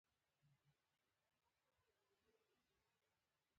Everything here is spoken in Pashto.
مسېنجر د غږیزو پیغامونو لپاره کارېدلی شي.